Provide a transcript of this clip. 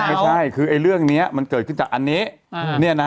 ไม่ใช่คือเรื่องนี้มันเกิดขึ้นจากอันนี้